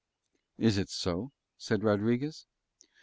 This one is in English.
"Is it so?" said Rodriguez.